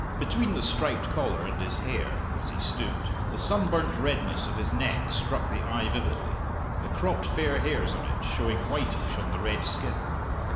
Between the striped collar and his hair (as he stooped) the sunburnt redness of his neck struck the eye vividly the cropped fair hairs on it showing whitish on the red skin.